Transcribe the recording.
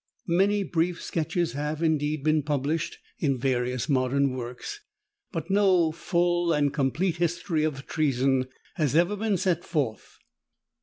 Many brief sketches have, indeed, been published in various modern works: but no full and complete history of the Treason has ever been set forth.